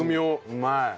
うまい。